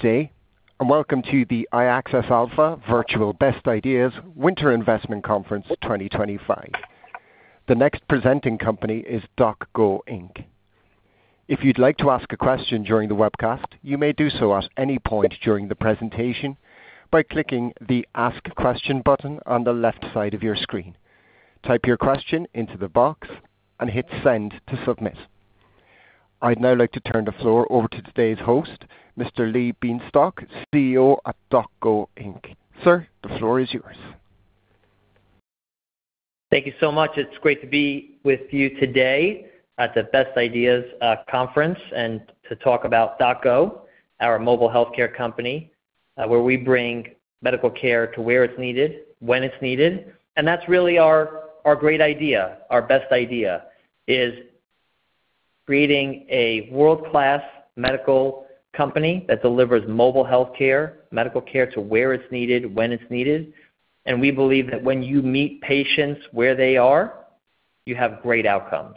Today and welcome to the iAccess Alpha Virtual Best Ideas Winter Investment Conference 2025. The next presenting company is DocGo Inc. If you'd like to ask a question during the webcast, you may do so at any point during the presentation by clicking the Ask Question button on the left side of your screen. Type your question into the box and hit send to submit. I'd now like to turn the floor over to today's host, Mr. Lee Bienstock, CEO at DocGo Inc. Sir, the floor is yours. Thank you so much. It's great to be with you today at the Best Ideas Conference and to talk about DocGo, our mobile healthcare company, where we bring medical care to where it's needed, when it's needed, and that's really our great idea, our best idea, is creating a world-class medical company that delivers mobile healthcare, medical care to where it's needed, when it's needed, and we believe that when you meet patients where they are, you have great outcomes,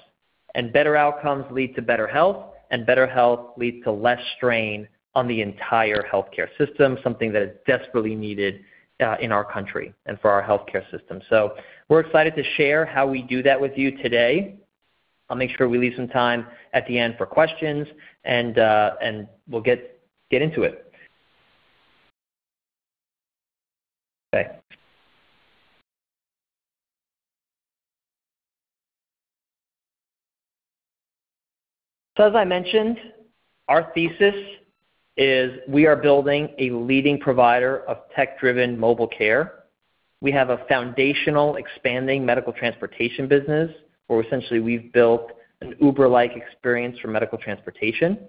and better outcomes lead to better health, and better health leads to less strain on the entire healthcare system, something that is desperately needed in our country and for our healthcare system, so we're excited to share how we do that with you today. I'll make sure we leave some time at the end for questions, and we'll get into it. Okay. So as I mentioned, our thesis is we are building a leading provider of tech-driven mobile care. We have a foundational expanding medical transportation business where essentially we've built an Uber-like experience for medical transportation,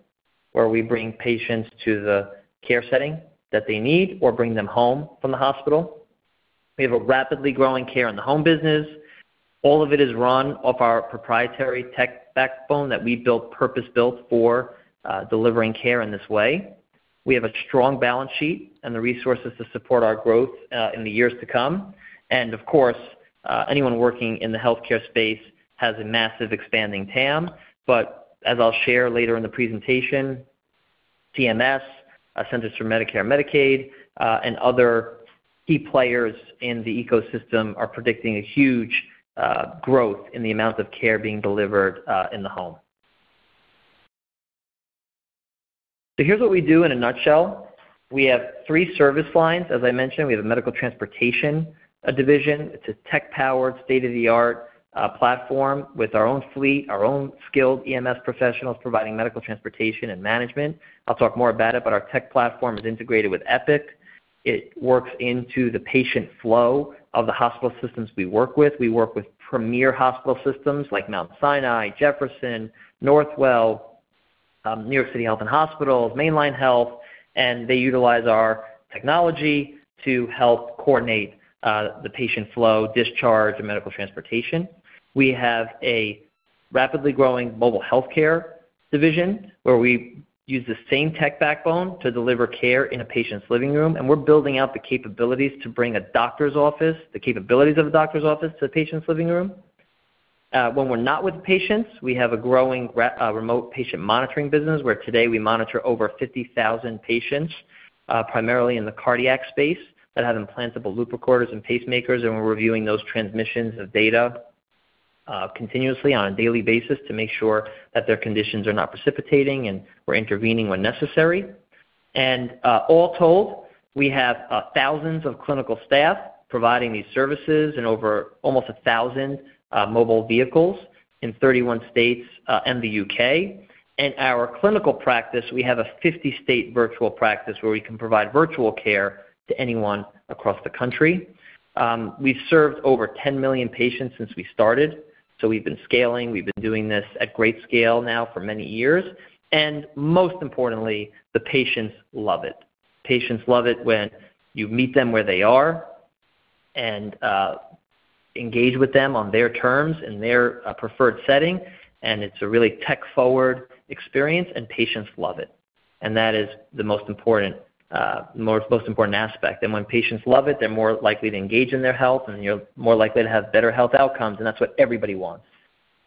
where we bring patients to the care setting that they need or bring them home from the hospital. We have a rapidly growing care-in-the-home business. All of it is run off our proprietary tech backbone that we purpose-built for delivering care in this way. We have a strong balance sheet and the resources to support our growth in the years to come. And of course, anyone working in the healthcare space has a massive expanding TAM. But as I'll share later in the presentation, CMS, Centers for Medicare and Medicaid, and other key players in the ecosystem are predicting a huge growth in the amount of care being delivered in the home. Here's what we do in a nutshell. We have three service lines. As I mentioned, we have a medical transportation division. It's a tech-powered, state-of-the-art platform with our own fleet, our own skilled EMS professionals providing medical transportation and management. I'll talk more about it, but our tech platform is integrated with Epic. It works into the patient flow of the hospital systems we work with. We work with premier hospital systems like Mount Sinai, Jefferson, Northwell, New York City Health + Hospitals, Main Line Health, and they utilize our technology to help coordinate the patient flow, discharge, and medical transportation. We have a rapidly growing mobile healthcare division where we use the same tech backbone to deliver care in a patient's living room, and we're building out the capabilities to bring a doctor's office, the capabilities of a doctor's office to the patient's living room. When we're not with patients, we have a growing remote patient monitoring business where today we monitor over 50,000 patients, primarily in the cardiac space, that have implantable loop recorders and pacemakers, and we're reviewing those transmissions of data continuously on a daily basis to make sure that their conditions are not precipitating and we're intervening when necessary, and all told, we have thousands of clinical staff providing these services in over almost 1,000 mobile vehicles in 31 states and the U.K. In our clinical practice, we have a 50-state virtual practice where we can provide virtual care to anyone across the country. We've served over 10 million patients since we started, so we've been scaling. We've been doing this at great scale now for many years, and most importantly, the patients love it. Patients love it when you meet them where they are and engage with them on their terms in their preferred setting. And it's a really tech-forward experience, and patients love it. And that is the most important aspect. And when patients love it, they're more likely to engage in their health, and you're more likely to have better health outcomes, and that's what everybody wants.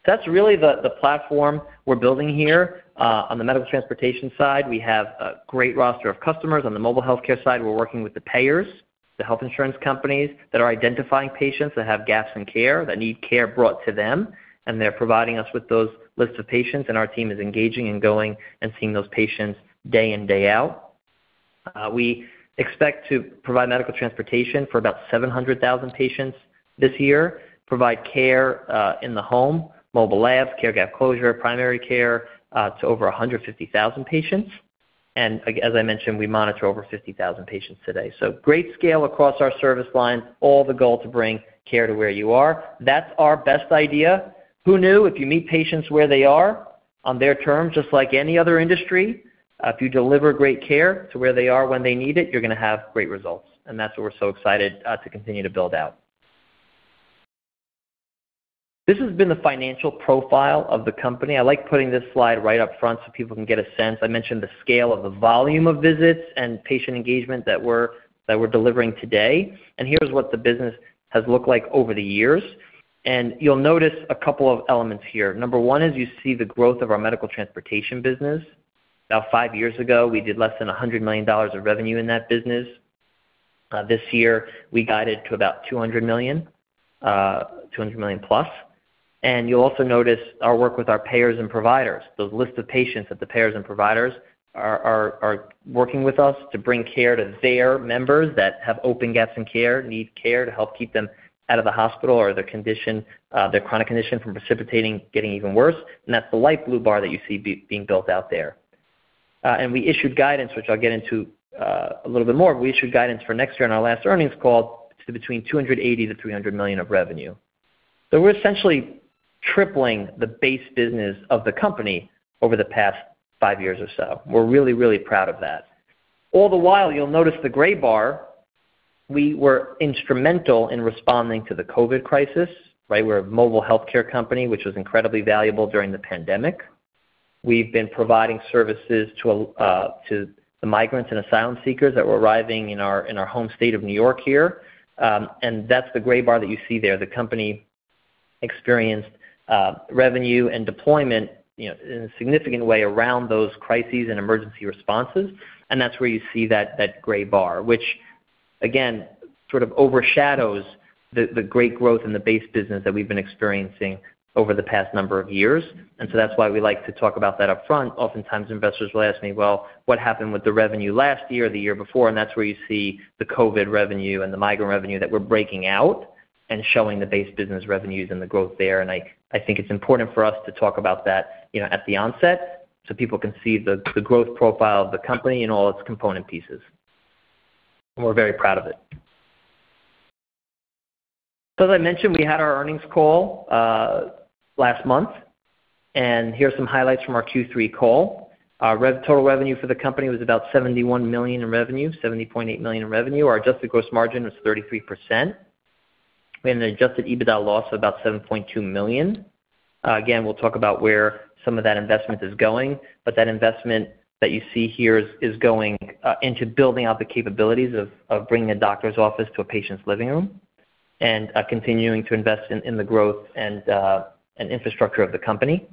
So that's really the platform we're building here. On the medical transportation side, we have a great roster of customers. On the mobile healthcare side, we're working with the payers, the health insurance companies that are identifying patients that have gaps in care, that need care brought to them, and they're providing us with those lists of patients. And our team is engaging and going and seeing those patients day in, day out. We expect to provide medical transportation for about 700,000 patients this year, provide care in the home, mobile labs, care gap closure, primary care to over 150,000 patients. And as I mentioned, we monitor over 50,000 patients today. So great scale across our service lines, all the goal to bring care to where you are. That's our best idea. Who knew if you meet patients where they are on their terms, just like any other industry, if you deliver great care to where they are when they need it, you're going to have great results. And that's what we're so excited to continue to build out. This has been the financial profile of the company. I like putting this slide right up front so people can get a sense. I mentioned the scale of the volume of visits and patient engagement that we're delivering today. Here's what the business has looked like over the years. You'll notice a couple of elements here. Number one is you see the growth of our medical transportation business. About five years ago, we did less than $100 million of revenue in that business. This year, we guided to about $200 million, $200 million plus. You'll also notice our work with our payers and providers. The list of patients that the payers and providers are working with us to bring care to their members that have open gaps in care, need care to help keep them out of the hospital or their chronic condition from precipitating getting even worse. That's the light blue bar that you see being built out there. We issued guidance, which I'll get into a little bit more. We issued guidance for next year on our last earnings call to between $280 million to $300 million of revenue. So we're essentially tripling the base business of the company over the past five years or so. We're really, really proud of that. All the while, you'll notice the gray bar. We were instrumental in responding to the COVID crisis. We're a mobile healthcare company, which was incredibly valuable during the pandemic. We've been providing services to the migrants and asylum seekers that were arriving in our home state of New York here. And that's the gray bar that you see there. The company experienced revenue and deployment in a significant way around those crises and emergency responses. And that's where you see that gray bar, which, again, sort of overshadows the great growth in the base business that we've been experiencing over the past number of years. And so that's why we like to talk about that upfront. Oftentimes, investors will ask me, "Well, what happened with the revenue last year, the year before?" And that's where you see the COVID revenue and the migrant revenue that we're breaking out and showing the base business revenues and the growth there. And I think it's important for us to talk about that at the onset so people can see the growth profile of the company and all its component pieces. And we're very proud of it. So as I mentioned, we had our earnings call last month. And here are some highlights from our Q3 call. Our total revenue for the company was about $71 million in revenue, $70.8 million in revenue. Our adjusted gross margin was 33%. We had an adjusted EBITDA loss of about $7.2 million. Again, we'll talk about where some of that investment is going. But that investment that you see here is going into building out the capabilities of bringing a doctor's office to a patient's living room and continuing to invest in the growth and infrastructure of the company.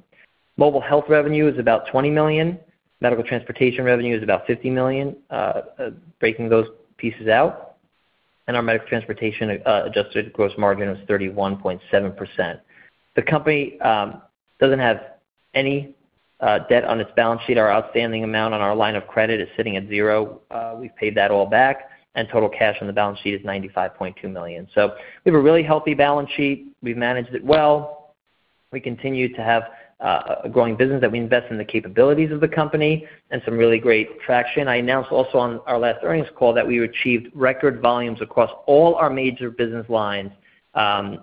Mobile health revenue is about $20 million. Medical transportation revenue is about $50 million, breaking those pieces out. And our medical transportation adjusted gross margin was 31.7%. The company doesn't have any debt on its balance sheet. Our outstanding amount on our line of credit is sitting at zero. We've paid that all back. And total cash on the balance sheet is $95.2 million. So we have a really healthy balance sheet. We've managed it well. We continue to have a growing business that we invest in the capabilities of the company and some really great traction. I announced also on our last earnings call that we achieved record volumes across all our major business lines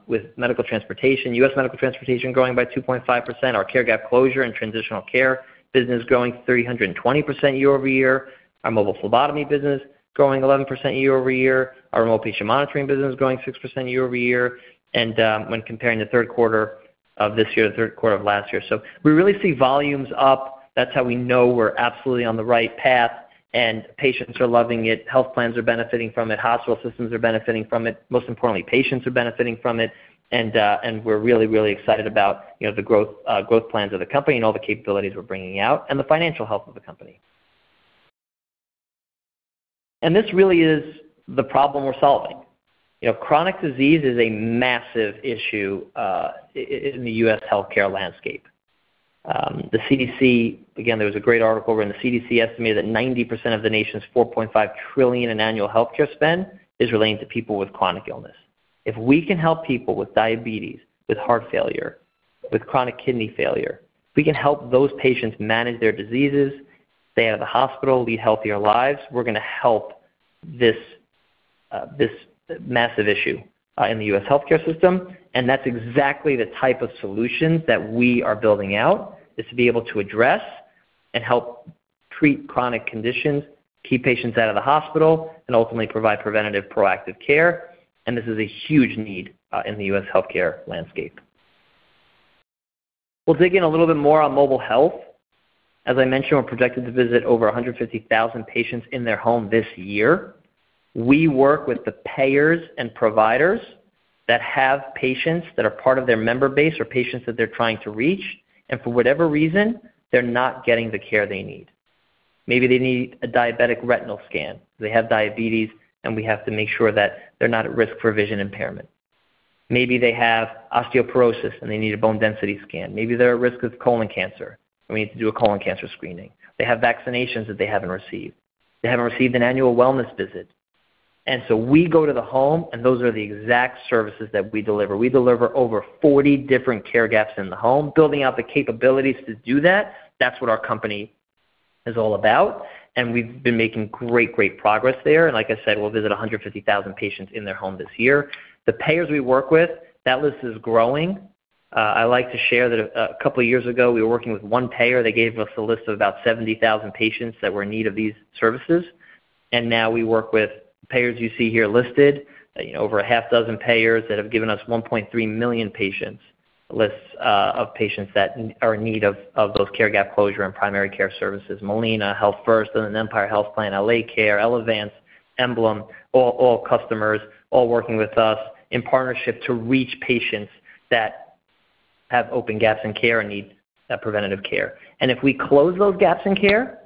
with Medical Transportation. U.S. Medical Transportation growing by 2.5%. Our care gap closure and transitional care business growing 320% year-over-year. Our mobile phlebotomy business growing 11% year-over-year. Our remote patient monitoring business growing 6% year-over-year. And when comparing the third quarter of this year to the third quarter of last year. So we really see volumes up. That's how we know we're absolutely on the right path. And patients are loving it. Health plans are benefiting from it. Hospital systems are benefiting from it. Most importantly, patients are benefiting from it. And we're really, really excited about the growth plans of the company and all the capabilities we're bringing out and the financial health of the company. And this really is the problem we're solving. Chronic disease is a massive issue in the U.S. healthcare landscape. The CDC, again, there was a great article where the CDC estimated that 90% of the nation's $4.5 trillion in annual healthcare spend is relating to people with chronic illness. If we can help people with diabetes, with heart failure, with chronic kidney failure, if we can help those patients manage their diseases, stay out of the hospital, lead healthier lives, we're going to help this massive issue in the U.S. healthcare system. That's exactly the type of solutions that we are building out is to be able to address and help treat chronic conditions, keep patients out of the hospital, and ultimately provide preventative proactive care. This is a huge need in the U.S. healthcare landscape. We'll dig in a little bit more on mobile health. As I mentioned, we're projected to visit over 150,000 patients in their home this year. We work with the payers and providers that have patients that are part of their member base or patients that they're trying to reach. And for whatever reason, they're not getting the care they need. Maybe they need a diabetic retinal scan. They have diabetes, and we have to make sure that they're not at risk for vision impairment. Maybe they have osteoporosis, and they need a bone density scan. Maybe they're at risk of colon cancer, and we need to do a colon cancer screening. They have vaccinations that they haven't received. They haven't received an annual wellness visit. And so we go to the home, and those are the exact services that we deliver. We deliver over 40 different care gaps in the home, building out the capabilities to do that. That's what our company is all about, and we've been making great, great progress there, and like I said, we'll visit 150,000 patients in their home this year. The payers we work with, that list is growing. I like to share that a couple of years ago, we were working with one payer. They gave us a list of about 70,000 patients that were in need of these services, and now we work with payers you see here listed, over a half dozen payers that have given us 1.3 million patients' lists of patients that are in need of those care gap closure and primary care services. Molina, Healthfirst, and then Empire Health Plan, L.A. Care, Elevance, EmblemHealth, all customers, all working with us in partnership to reach patients that have open gaps in care and need preventative care. And if we close those gaps in care,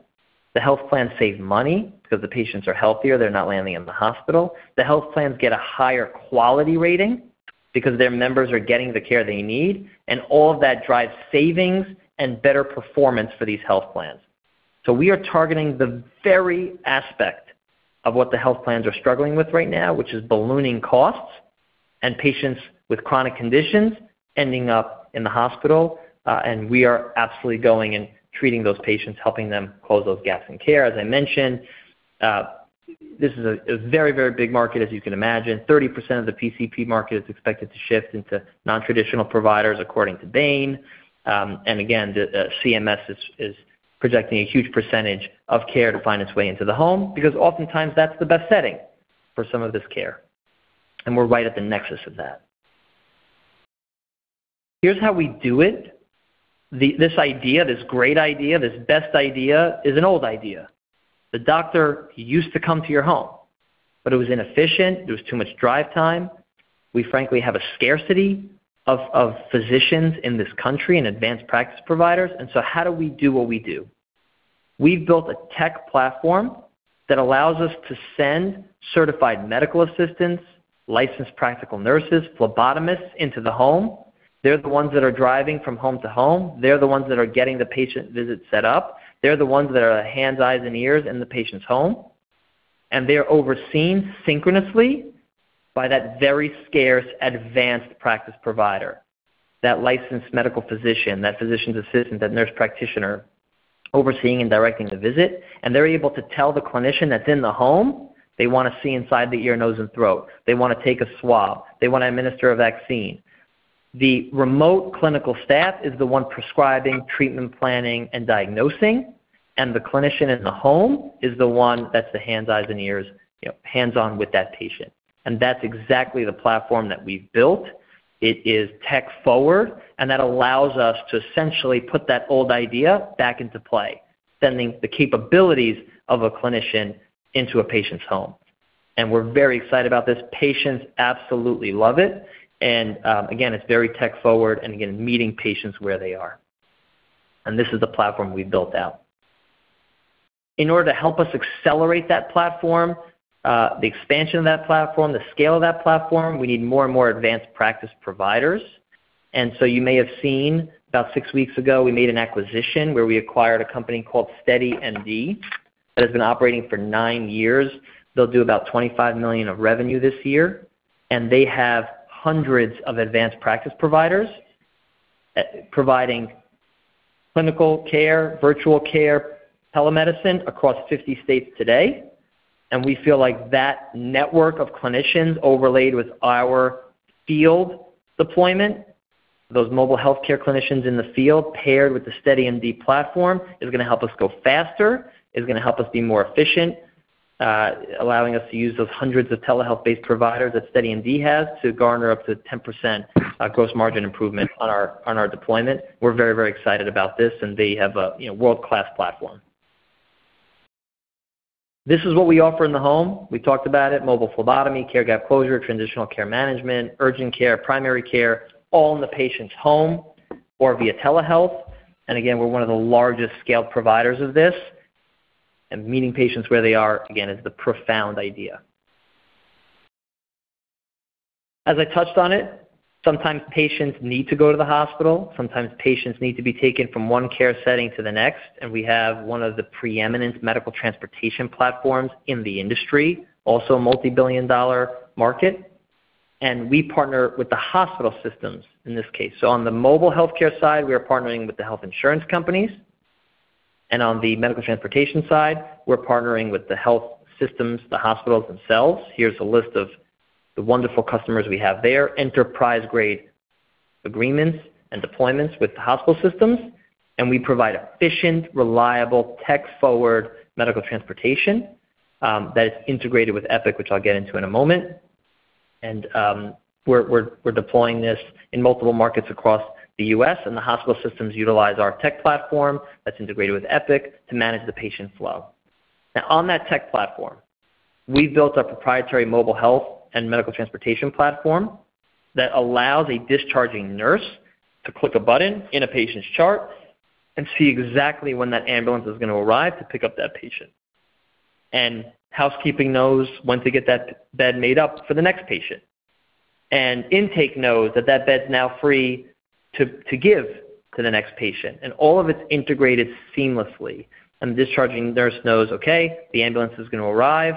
the health plans save money because the patients are healthier. They're not landing in the hospital. The health plans get a higher quality rating because their members are getting the care they need. And all of that drives savings and better performance for these health plans. So we are targeting the very aspect of what the health plans are struggling with right now, which is ballooning costs and patients with chronic conditions ending up in the hospital. And we are absolutely going and treating those patients, helping them close those gaps in care. As I mentioned, this is a very, very big market, as you can imagine. 30% of the PCP market is expected to shift into non-traditional providers, according to Bain. And again, CMS is projecting a huge percentage of care to find its way into the home because oftentimes that's the best setting for some of this care. And we're right at the nexus of that. Here's how we do it. This idea, this great idea, this best idea is an old idea. The doctor used to come to your home, but it was inefficient. There was too much drive time. We, frankly, have a scarcity of physicians in this country and advanced practice providers. And so how do we do what we do? We've built a tech platform that allows us to send certified medical assistants, licensed practical nurses, phlebotomists into the home. They're the ones that are driving from home to home. They're the ones that are getting the patient visit set up. They're the ones that are hands, eyes, and ears in the patient's home. And they're overseen synchronously by that very scarce advanced practice provider, that licensed medical physician, that physician's assistant, that nurse practitioner overseeing and directing the visit. And they're able to tell the clinician that's in the home, they want to see inside the ear, nose, and throat. They want to take a swab. They want to administer a vaccine. The remote clinical staff is the one prescribing, treatment, planning, and diagnosing. And the clinician in the home is the one that's the hands, eyes, and ears, hands-on with that patient. And that's exactly the platform that we've built. It is tech-forward, and that allows us to essentially put that old idea back into play, sending the capabilities of a clinician into a patient's home. And we're very excited about this. Patients absolutely love it. And again, it's very tech-forward and, again, meeting patients where they are. This is the platform we've built out. In order to help us accelerate that platform, the expansion of that platform, the scale of that platform, we need more and more advanced practice providers. And so you may have seen about six weeks ago, we made an acquisition where we acquired a company called SteadyMD that has been operating for nine years. They'll do about $25 million of revenue this year. And they have hundreds of advanced practice providers providing clinical care, virtual care, telemedicine across 50 states today. We feel like that network of clinicians overlaid with our field deployment, those mobile healthcare clinicians in the field paired with the SteadyMD platform is going to help us go faster, is going to help us be more efficient, allowing us to use those hundreds of telehealth-based providers that SteadyMD has to garner up to 10% gross margin improvement on our deployment. We're very, very excited about this, and they have a world-class platform. This is what we offer in the home. We talked about it: mobile phlebotomy, care gap closure, transitional care management, urgent care, primary care, all in the patient's home or via telehealth. And again, we're one of the largest scaled providers of this. And meeting patients where they are, again, is the profound idea. As I touched on it, sometimes patients need to go to the hospital. Sometimes patients need to be taken from one care setting to the next. And we have one of the preeminent medical transportation platforms in the industry, also a multi-billion dollar market. And we partner with the hospital systems in this case. So on the mobile healthcare side, we are partnering with the health insurance companies. And on the medical transportation side, we're partnering with the health systems, the hospitals themselves. Here's a list of the wonderful customers we have there: enterprise-grade agreements and deployments with the hospital systems. And we provide efficient, reliable, tech-forward medical transportation that is integrated with Epic, which I'll get into in a moment. And we're deploying this in multiple markets across the U.S. And the hospital systems utilize our tech platform that's integrated with Epic to manage the patient flow. Now, on that tech platform, we've built a proprietary mobile health and medical transportation platform that allows a discharging nurse to click a button in a patient's chart and see exactly when that ambulance is going to arrive to pick up that patient. And housekeeping knows when to get that bed made up for the next patient. And intake knows that that bed's now free to give to the next patient. And all of it's integrated seamlessly. And the discharging nurse knows, "Okay, the ambulance is going to arrive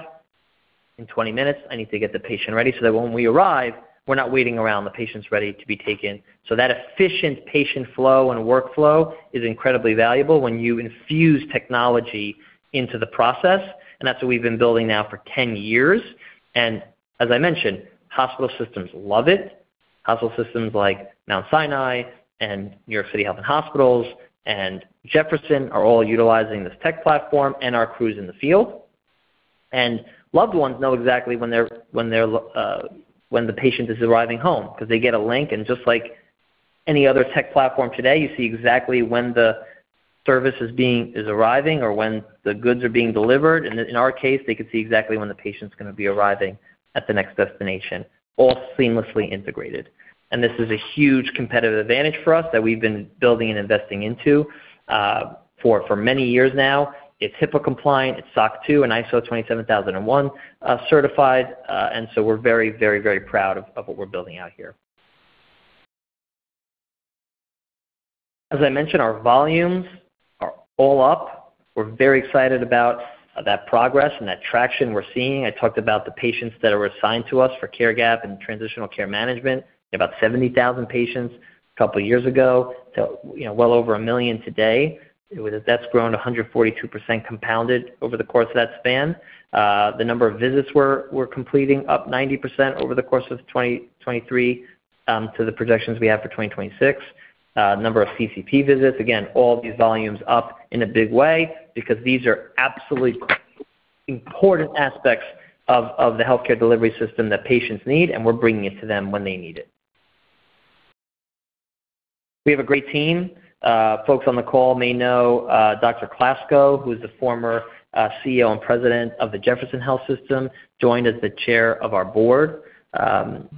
in 20 minutes. I need to get the patient ready so that when we arrive, we're not waiting around. The patient's ready to be taken." So that efficient patient flow and workflow is incredibly valuable when you infuse technology into the process. And that's what we've been building now for 10 years. And as I mentioned, hospital systems love it. Hospital systems like Mount Sinai and New York City Health + Hospitals and Jefferson are all utilizing this tech platform and our crews in the field. And loved ones know exactly when the patient is arriving home because they get a link. And just like any other tech platform today, you see exactly when the service is arriving or when the goods are being delivered. And in our case, they could see exactly when the patient's going to be arriving at the next destination, all seamlessly integrated. And this is a huge competitive advantage for us that we've been building and investing into for many years now. It's HIPAA compliant. It's SOC 2 and ISO 27001 certified. And so we're very, very, very proud of what we're building out here. As I mentioned, our volumes are all up. We're very excited about that progress and that traction we're seeing. I talked about the patients that are assigned to us for care gap and transitional care management, about 70,000 patients a couple of years ago, well over a million today. That's grown 142% compounded over the course of that span. The number of visits we're completing up 90% over the course of 2023 to the projections we have for 2026. Number of PCP visits, again, all these volumes up in a big way because these are absolutely important aspects of the healthcare delivery system that patients need, and we're bringing it to them when they need it. We have a great team. Folks on the call may know Dr. Klasko, who is the former CEO and president of Jefferson Health, joined as the chair of our board. It's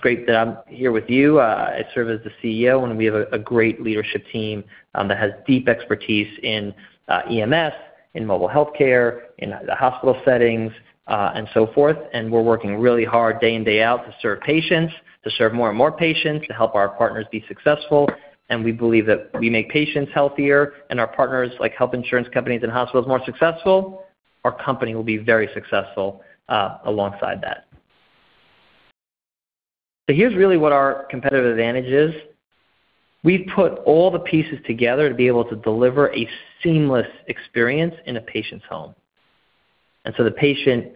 great that I'm here with you. I serve as the CEO, and we have a great leadership team that has deep expertise in EMS, in mobile healthcare, in the hospital settings, and so forth, and we're working really hard day in, day out to serve patients, to serve more and more patients, to help our partners be successful, and we believe that if we make patients healthier and our partners, like health insurance companies and hospitals, more successful, our company will be very successful alongside that, so here's really what our competitive advantage is. We've put all the pieces together to be able to deliver a seamless experience in a patient's home. And so the patient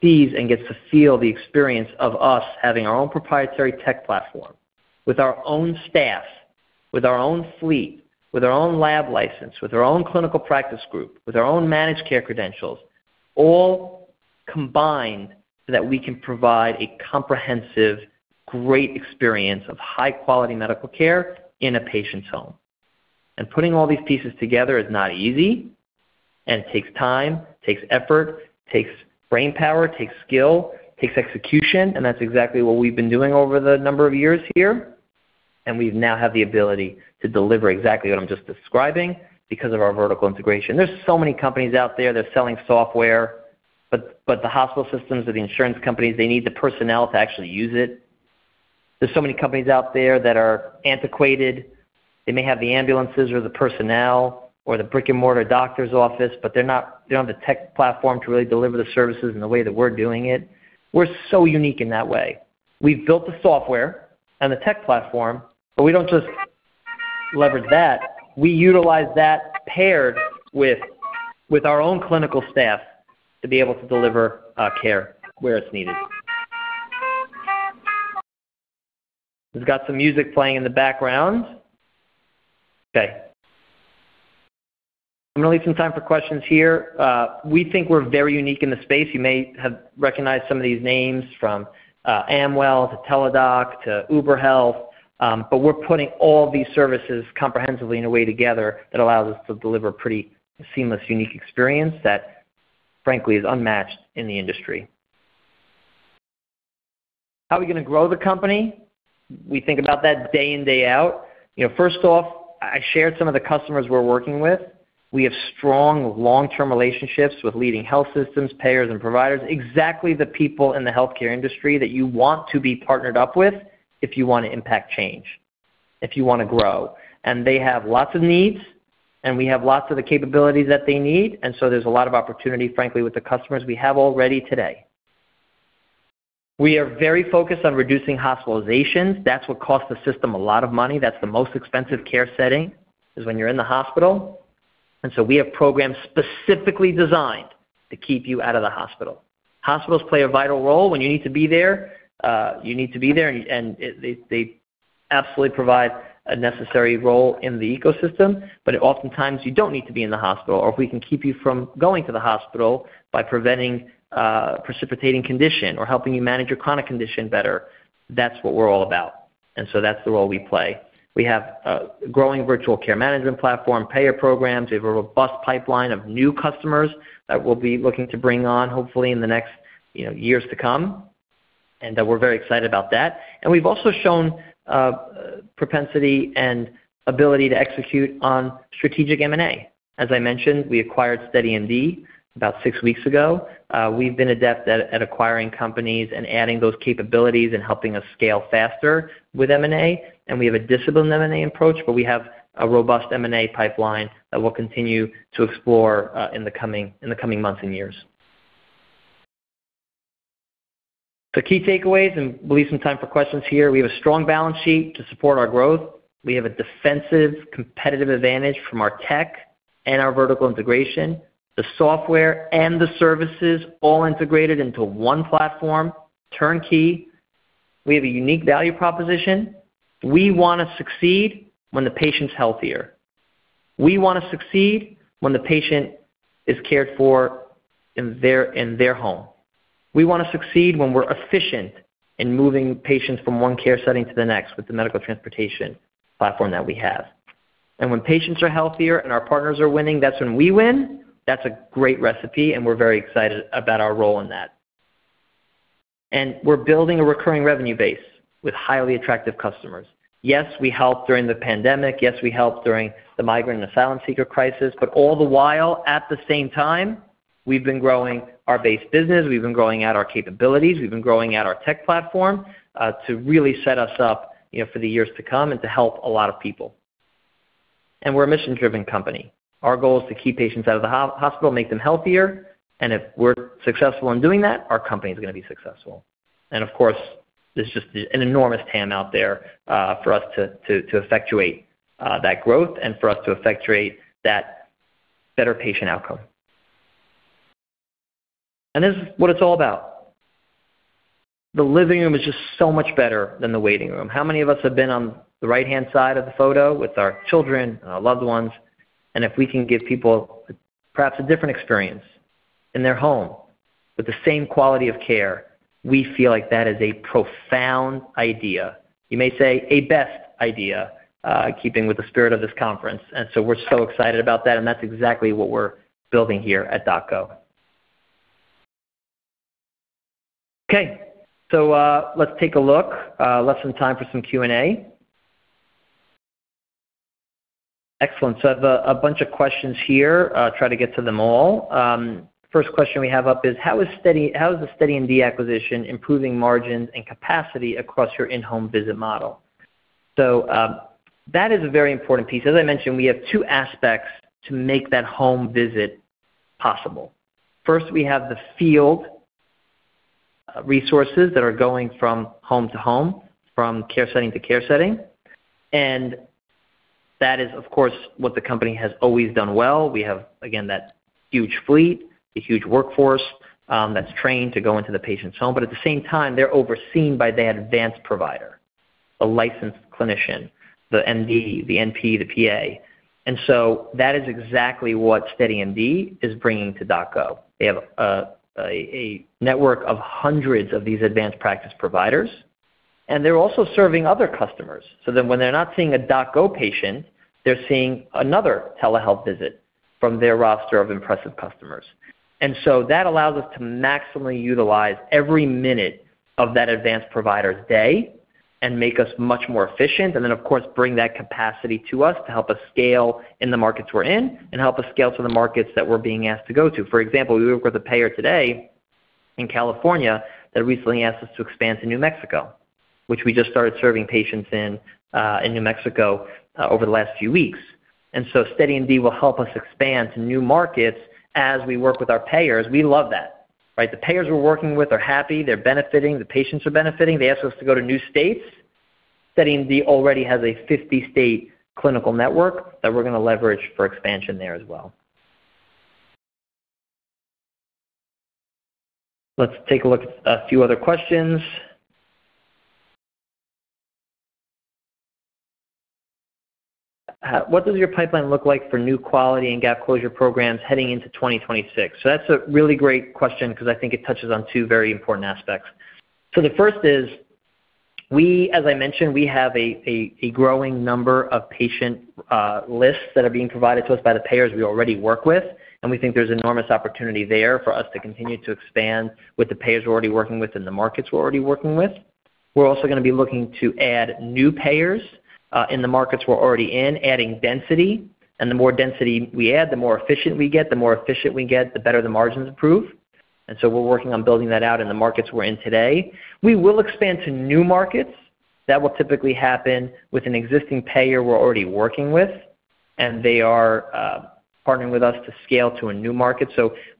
sees and gets to feel the experience of us having our own proprietary tech platform with our own staff, with our own fleet, with our own lab license, with our own clinical practice group, with our own managed care credentials, all combined so that we can provide a comprehensive, great experience of high-quality medical care in a patient's home. And putting all these pieces together is not easy. And it takes time, takes effort, takes brainpower, takes skill, takes execution. And that's exactly what we've been doing over the number of years here. And we now have the ability to deliver exactly what I'm just describing because of our vertical integration. There's so many companies out there. They're selling software, but the hospital systems or the insurance companies, they need the personnel to actually use it. There's so many companies out there that are antiquated. They may have the ambulances or the personnel or the brick-and-mortar doctor's office, but they're not on the tech platform to really deliver the services in the way that we're doing it. We're so unique in that way. We've built the software and the tech platform, but we don't just leverage that. We utilize that paired with our own clinical staff to be able to deliver care where it's needed. We've got some music playing in the background. Okay. I'm going to leave some time for questions here. We think we're very unique in the space. You may have recognized some of these names from Amwell to Teladoc to Uber Health. But we're putting all these services comprehensively in a way together that allows us to deliver a pretty seamless, unique experience that, frankly, is unmatched in the industry. How are we going to grow the company? We think about that day in, day out. First off, I shared some of the customers we're working with. We have strong long-term relationships with leading health systems, payers, and providers, exactly the people in the healthcare industry that you want to be partnered up with if you want to impact change, if you want to grow, and they have lots of needs, and we have lots of the capabilities that they need, and so there's a lot of opportunity, frankly, with the customers we have already today. We are very focused on reducing hospitalizations. That's what costs the system a lot of money. That's the most expensive care setting is when you're in the hospital, and so we have programs specifically designed to keep you out of the hospital. Hospitals play a vital role when you need to be there. You need to be there, and they absolutely provide a necessary role in the ecosystem. But oftentimes, you don't need to be in the hospital. Or if we can keep you from going to the hospital by preventing precipitating condition or helping you manage your chronic condition better, that's what we're all about. And so that's the role we play. We have a growing virtual care management platform, payer programs. We have a robust pipeline of new customers that we'll be looking to bring on, hopefully, in the next years to come. And we're very excited about that. And we've also shown propensity and ability to execute on strategic M&A. As I mentioned, we acquired SteadyMD about six weeks ago. We've been adept at acquiring companies and adding those capabilities and helping us scale faster with M&A. And we have a disciplined M&A approach, but we have a robust M&A pipeline that we'll continue to explore in the coming months and years. The key takeaways, and we'll leave some time for questions here. We have a strong balance sheet to support our growth. We have a defensive competitive advantage from our tech and our vertical integration. The software and the services all integrated into one platform, turnkey. We have a unique value proposition. We want to succeed when the patient is healthier. We want to succeed when the patient is cared for in their home. We want to succeed when we're efficient in moving patients from one care setting to the next with the medical transportation platform that we have. And when patients are healthier and our partners are winning, that's when we win. That's a great recipe, and we're very excited about our role in that. We're building a recurring revenue base with highly attractive customers. Yes, we helped during the pandemic. Yes, we helped during the migrant and asylum seeker crisis. But all the while, at the same time, we've been growing our base business. We've been growing out our capabilities. We've been growing out our tech platform to really set us up for the years to come and to help a lot of people. And we're a mission-driven company. Our goal is to keep patients out of the hospital, make them healthier. And if we're successful in doing that, our company is going to be successful. And of course, there's just an enormous TAM out there for us to effectuate that growth and for us to effectuate that better patient outcome. And this is what it's all about. The living room is just so much better than the waiting room. How many of us have been on the right-hand side of the photo with our children and our loved ones? And if we can give people perhaps a different experience in their home with the same quality of care, we feel like that is a profound idea. You may say a best idea, keeping with the spirit of this conference. And so we're so excited about that. And that's exactly what we're building here at DocGo. Okay. So let's take a look. Question time for some Q&A. Excellent. So I have a bunch of questions here. I'll try to get to them all. First question we have up is, how is the SteadyMD acquisition improving margins and capacity across your in-home visit model? So that is a very important piece. As I mentioned, we have two aspects to make that home visit possible. First, we have the field resources that are going from home to home, from care setting to care setting. And that is, of course, what the company has always done well. We have, again, that huge fleet, a huge workforce that's trained to go into the patient's home. But at the same time, they're overseen by the advanced provider, the licensed clinician, the MD, the NP, the PA. And so that is exactly what SteadyMD is bringing to DocGo. They have a network of hundreds of these advanced practice providers. And they're also serving other customers. So then when they're not seeing a DocGo patient, they're seeing another telehealth visit from their roster of impressive customers. And so that allows us to maximally utilize every minute of that advanced provider's day and make us much more efficient. Then, of course, bring that capacity to us to help us scale in the markets we're in and help us scale to the markets that we're being asked to go to. For example, we work with a payer today in California that recently asked us to expand to New Mexico, which we just started serving patients in New Mexico over the last few weeks. And so SteadyMD will help us expand to new markets as we work with our payers. We love that, right? The payers we're working with are happy. They're benefiting. The patients are benefiting. They ask us to go to new states. SteadyMD already has a 50-state clinical network that we're going to leverage for expansion there as well. Let's take a look at a few other questions. What does your pipeline look like for new quality and gap closure programs heading into 2026? That's a really great question because I think it touches on two very important aspects. The first is, as I mentioned, we have a growing number of patient lists that are being provided to us by the payers we already work with. And we think there's enormous opportunity there for us to continue to expand with the payers we're already working with and the markets we're already working with. We're also going to be looking to add new payers in the markets we're already in, adding density. And the more density we add, the more efficient we get. The more efficient we get, the better the margins improve. And so we're working on building that out in the markets we're in today. We will expand to new markets. That will typically happen with an existing payer we're already working with. They are partnering with us to scale to a new market.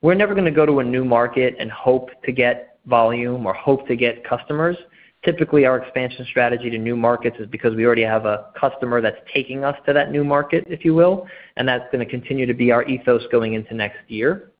We're never going to go to a new market and hope to get volume or hope to get customers. Typically, our expansion strategy to new markets is because we already have a customer that's taking us to that new market, if you will. That's going to continue to be our ethos going into next year.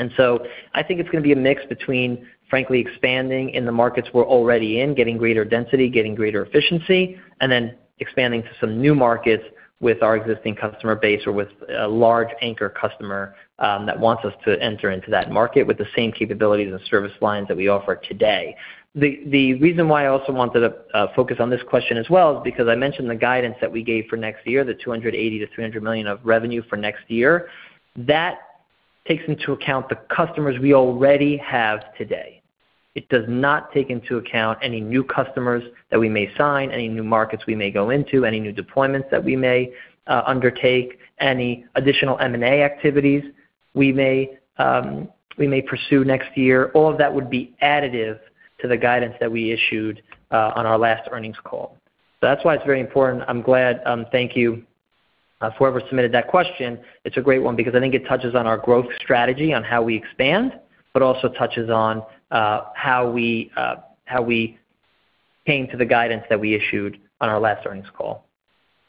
I think it's going to be a mix between, frankly, expanding in the markets we're already in, getting greater density, getting greater efficiency, and then expanding to some new markets with our existing customer base or with a large anchor customer that wants us to enter into that market with the same capabilities and service lines that we offer today. The reason why I also wanted to focus on this question as well is because I mentioned the guidance that we gave for next year, the $280 million-$300 million of revenue for next year. That takes into account the customers we already have today. It does not take into account any new customers that we may sign, any new markets we may go into, any new deployments that we may undertake, any additional M&A activities we may pursue next year. All of that would be additive to the guidance that we issued on our last earnings call. So that's why it's very important. I'm glad. Thank you. Whoever submitted that question, it's a great one because I think it touches on our growth strategy on how we expand, but also touches on how we came to the guidance that we issued on our last earnings call.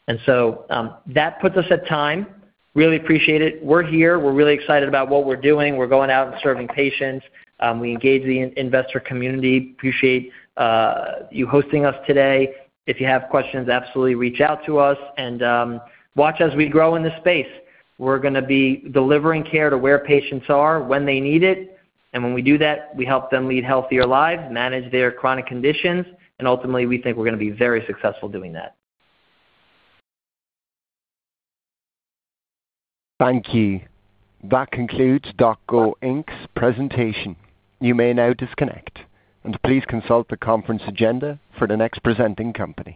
And so that puts us at time. Really appreciate it. We're here. We're really excited about what we're doing. We're going out and serving patients. We engage the investor community. Appreciate you hosting us today. If you have questions, absolutely reach out to us and watch as we grow in this space. We're going to be delivering care to where patients are when they need it. And when we do that, we help them lead healthier lives, manage their chronic conditions. And ultimately, we think we're going to be very successful doing that. Thank you. That concludes DocGo Inc.'s presentation. You may now disconnect. And please consult the conference agenda for the next presenting company.